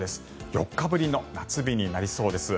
４日ぶりの夏日になりそうです。